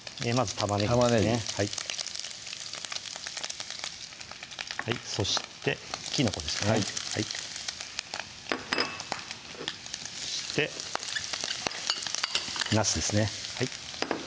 玉ねぎそしてきのこですねはいそしてなすですね